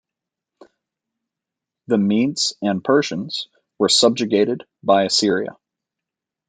The Medes and Persians were subjugated by Assyria.